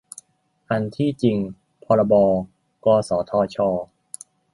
อันที่จริง พรบ กสทช